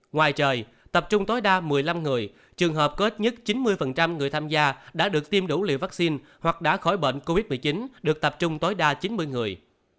ngoài trời tập trung tối đa một mươi năm người trường hợp có ít nhất chín mươi người tham gia đã được tiêm đủ liều vaccine hoặc đã khỏi bệnh covid một mươi chín được tập trung tối đa chín mươi người